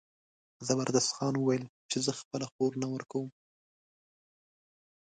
زبردست خان وویل چې زه خپله خور نه ورکوم.